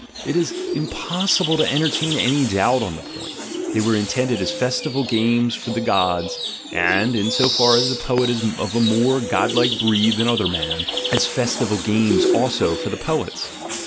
It is impossible to entertain any doubt on the point: they were intended as festival games for the gods, and, in so far as the poet is of a more godlike breed than other men. as festival games also for the poets.